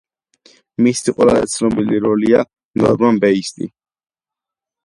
მისი ყველაზე ცნობილი როლია ნორმან ბეიტსის როლი ალფრედ ჰიჩკოკის ფილმში „ფსიქო“.